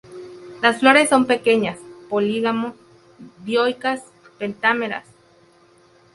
Las flores son pequeñas, polígamo-dioicas, pentámeras.